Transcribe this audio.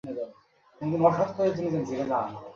হুম, ব্যস আমরা ওর গলার রশি খুলে দিই।